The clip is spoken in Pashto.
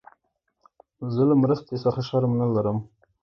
زه له مرستي څخه شرم نه لرم.